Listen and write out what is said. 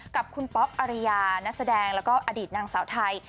กับคุณป๊อปอาริยานักแสดงแล้วก็อดีตนางสาวไทย